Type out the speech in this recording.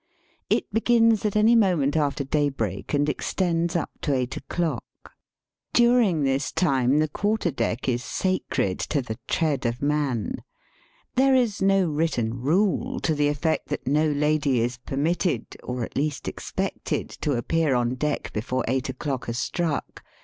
It begins at any moment after daybreak, and extends up to eight o'clock. During this time the quarter deck is sacred to the tread of man. There is no written rule to the effect that no lady is permitted, or at least expected, to appear on deck before eight o'clock has struck.